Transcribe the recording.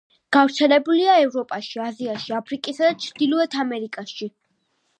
გავრცელებულია ევროპაში, აზიაში, აფრიკასა და ჩრდილოეთ ამერიკაში.